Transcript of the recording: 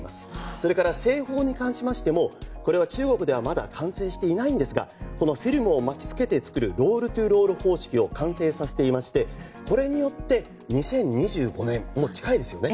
それから、製法に関しましてもこれは中国ではまだ完成していませんがフィルムを巻き付けて作るロールｔｏロール方式を完成させていましてこれによって２０２５年、もう近いですよね